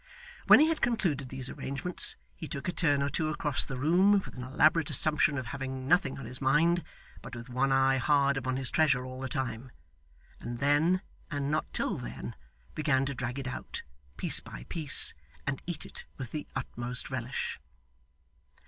When he had concluded these arrangements, he took a turn or two across the room with an elaborate assumption of having nothing on his mind (but with one eye hard upon his treasure all the time), and then, and not till then, began to drag it out, piece by piece, and eat it with the utmost relish.